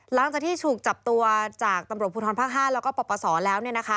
หลังจากที่ถูกจับตัวจากตำรวจภูทรภาค๕แล้วก็ปปศแล้ว